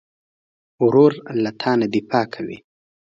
ورور له تا نه دفاع کوي.